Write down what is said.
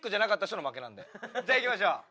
じゃあいきましょう。